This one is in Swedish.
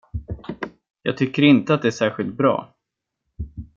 Jag tycker inte att det är särskilt bra.